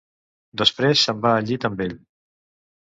Després, se'n va al llit amb ell.